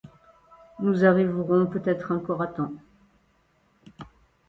Nous arriverons peut-être encore à temps.